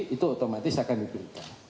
itu otomatis akan diberikan